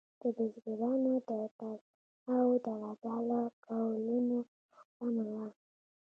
د بزګرانو د تړاو درجه له کولونو کمه وه.